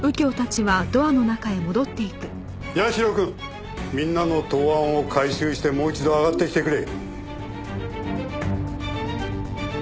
社くんみんなの答案を回収してもう一度上がってきてくれ。